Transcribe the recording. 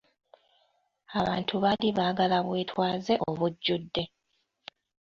Abantu baali baagala bwetwaze obujjudde.